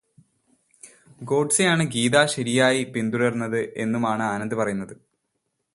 ഗോഡ്സേയാണു ഗീത ശരിയായി പിന്തുടര്ന്നത് എന്നുമാണു ആനന്ദ് പറയുന്നത്.